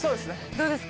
どうですか？